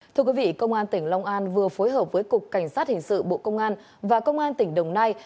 thưa quý vị công an tỉnh long an vừa phối hợp với cục cảnh sát hình sự bộ công an và công an tỉnh đồng nai